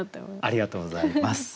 ありがとうございます。